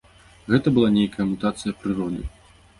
Гэта была нейкая мутацыя прыроды.